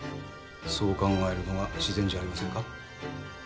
そう考えるのが自然じゃありませんか？